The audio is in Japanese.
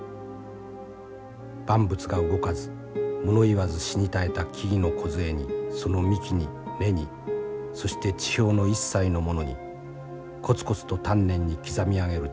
万物が動かず物言わず死に絶えた木々の梢にその幹に芽にそして地表の一切のものにコツコツと丹念に刻み上げる彫刻。